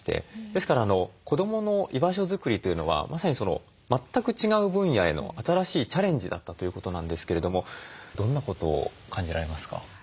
ですから子どもの居場所作りというのはまさに全く違う分野への新しいチャレンジだったということなんですけれどもどんなことを感じられますか？